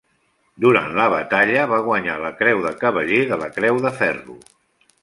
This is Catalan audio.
Durant la batalla va guanyar la Creu de Cavaller de la Creu de Ferro.